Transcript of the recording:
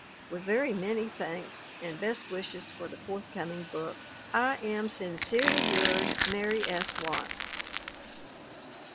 With very many thanks, and best wishes for the forthcoming book, I am "Sincerely yours, "MARY S. WATTS."